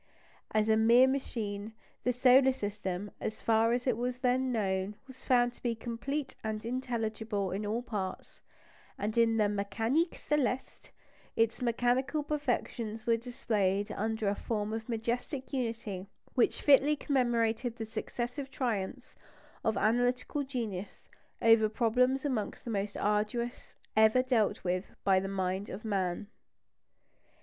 As a mere machine, the solar system, so far as it was then known, was found to be complete and intelligible in all its parts; and in the Mécanique Céleste its mechanical perfections were displayed under a form of majestic unity which fitly commemorated the successive triumphs of analytical genius over problems amongst the most arduous ever dealt with by the mind of man.